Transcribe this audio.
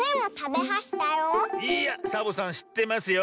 いやサボさんしってますよ。